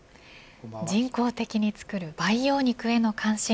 人工的に作る培養肉への関心